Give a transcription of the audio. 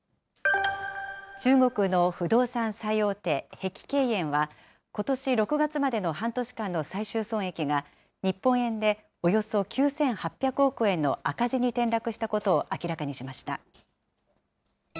中国の不動産最大手、碧桂園は、ことし６月までの半年間の最終損益が、日本円でおよそ９８００億円の赤字に転落したことを明らかにしました。